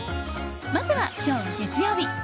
まずは今日、月曜日。